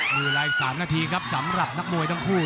มีเวลาอีก๓นาทีครับสำหรับนักมวยทั้งคู่